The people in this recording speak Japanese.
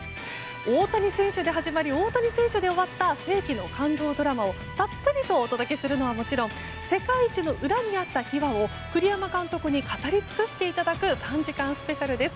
大谷選手で始まり大谷選手で終わった世紀の感動ドラマをたっぷりとお届けするのはもちろん世界一の裏にあった秘話を栗山監督に語り尽くしていただく３時間スペシャルです。